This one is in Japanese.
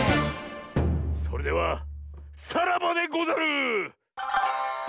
それではさらばでござる！